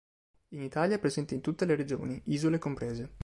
In Italia è presente in tutte le regioni, isole comprese.